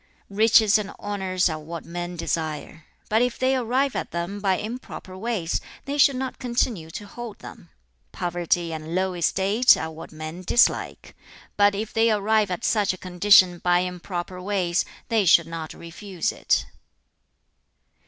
"Riches and honor are what men desire; but if they arrive at them by improper ways, they should not continue to hold them. Poverty and low estate are what men dislike; but if they arrive at such a condition by improper ways, they should not refuse it.